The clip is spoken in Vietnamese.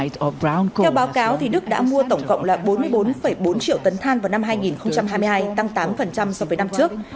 theo báo cáo đức đã mua tổng cộng là bốn mươi bốn bốn triệu tấn than vào năm hai nghìn hai mươi hai tăng tám so với năm trước